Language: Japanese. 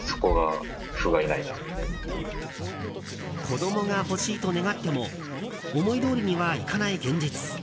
子供が欲しいと願っても思いどおりにはいかない現実。